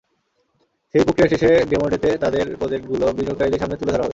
সেই প্রক্রিয়ার শেষে ডেমোডেতে তাদের প্রজেক্টগুলো বিনিয়োগকারীদের সামনে তুলে ধরা হবে।